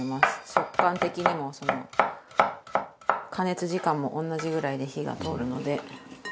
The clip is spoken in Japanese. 食感的にもその加熱時間も同じぐらいで火が通るので。